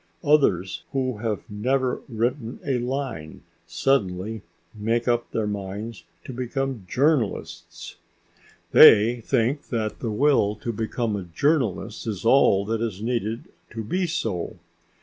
Others who have never written a line suddenly make up their minds to become journalists. They think that the will to become a journalist is all that is needed to be so.